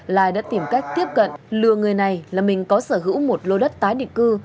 lai đã tìm cách tiếp cận lừa người này là mình có sở hữu một lô đất tái định cư